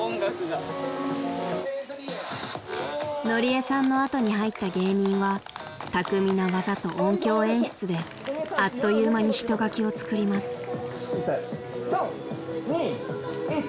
［のりえさんの後に入った芸人は巧みな技と音響演出であっという間に人垣を作ります］